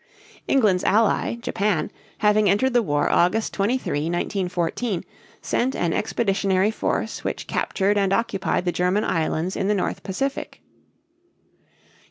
England's ally, Japan, having entered the war August 23, 1914, sent an expeditionary force which captured and occupied the German islands in the North Pacific.